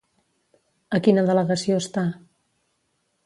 A quina delegació està?